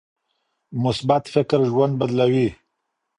مثبت فکر ژوند بدلوي.